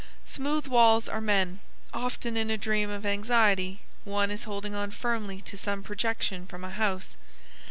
"Smooth" walls are men. Often in a dream of anxiety one is holding on firmly to some projection from a house.